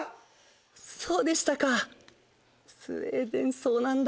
そうでしたかスウェーデンそうなんだ。